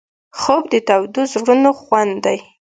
خوب د تودو زړونو خوند دی